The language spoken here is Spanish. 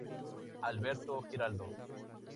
Alberto Giraldo.